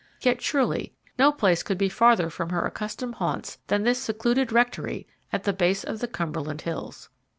Yet, surely, no place could be farther from her accustomed haunts than this secluded rectory at the base of the Cumberland hills.